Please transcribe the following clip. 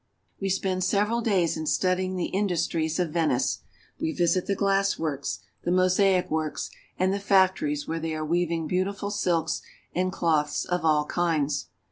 We spend several days in studying the industries of Venice. We visit the glass works, the mosaic works, and the factories where they are weaving beautiful silks and cloths of all kinds.